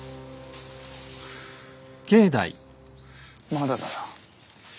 まだだな。